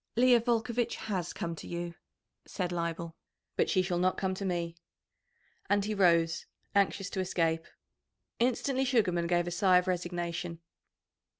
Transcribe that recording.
"Leah Volcovitch has come to you," said Leibel, "but she shall not come to me." And he rose, anxious to escape. Instantly Sugarman gave a sigh of resignation.